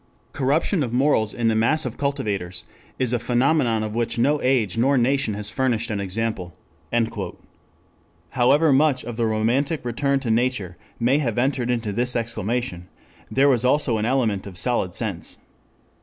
Corruption of morals in the mass of cultivators is a phenomenon of which no age nor nation has furnished an example." However much of the romantic return to nature may have entered into this exclamation, there was also an element of solid sense.